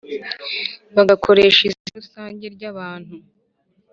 Bakoreshaga izina rusange ry abantu